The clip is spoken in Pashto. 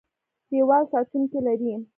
دیوال ساتونکي لري.